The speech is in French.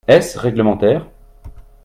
Est-ce réglementaire?